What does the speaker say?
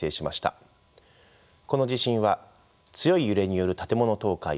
この地震は強い揺れによる建物倒壊